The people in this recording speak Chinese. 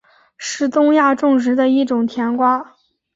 是东亚种植的一种甜瓜。